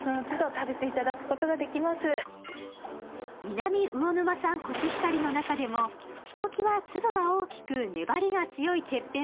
南魚沼産コシヒカリの中でもひときわ粒が大きく粘りが強いてっぺん